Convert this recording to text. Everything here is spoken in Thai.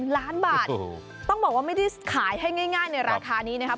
ล้านบาทต้องบอกว่าไม่ได้ขายให้ง่ายในราคานี้นะครับ